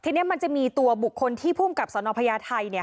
ทีนี้มันจะมีตัวบุคคลที่พูดกรรมสอนอภายะไทย